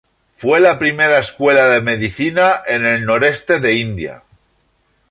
Fue la primera escuela de medicina en el noreste de India.